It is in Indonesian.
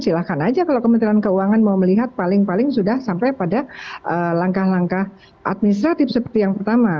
silahkan aja kalau kementerian keuangan mau melihat paling paling sudah sampai pada langkah langkah administratif seperti yang pertama